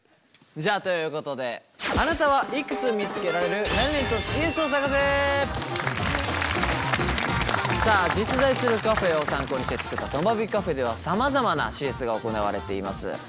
じゃあということでさあ実在するカフェを参考にして作ったとまビカフェではさまざまなＣＳが行われています。